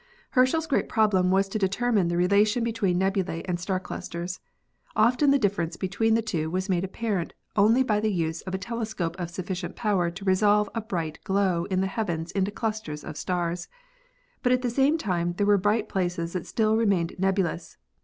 Herschel's great problem was to determine the relation between nebulae and star clusters. Often the difference between the two was made apparent only by the use of a telescope of sufficient power to resolve a bright glow in the heavens into clusters of stars. But at the same time there were bright places that still remained nebulous.